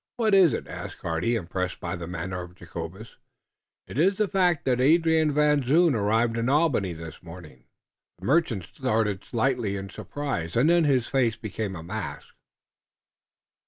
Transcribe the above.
"What is it?" asked Hardy, impressed by the manner of Jacobus. "It iss the fact that Adrian Van Zoon arrived in Albany this morning." The merchant started slightly in surprise, and then his face became a mask.